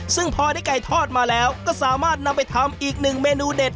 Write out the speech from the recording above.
ซึ่งพอได้ไก่ทอดมาแล้วก็สามารถนำไปทำอีกหนึ่งเมนูเด็ด